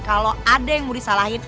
kalau ada yang mau disalahin